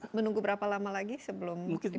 ini kita menunggu berapa lama lagi sebelum dipasang